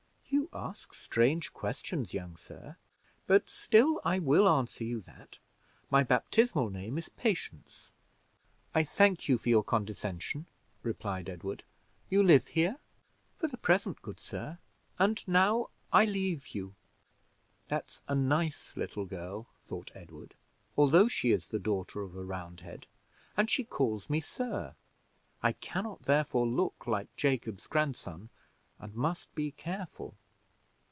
"You ask strange questions, young sir; but still I will answer you that: my baptismal name is Patience." "I thank you for your condescension," replied Edward "You live here?" "For the present, good sir; and now I leave you." "That's a nice little girl, thought Edward, although she is the daughter of a Roundhead; and she calls me 'Sir.' I can not, therefore, look like Jacob's grandson, and must be careful."